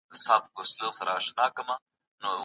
اقتصادي پرمختيا د مولدو پروژو له لاري راتلله.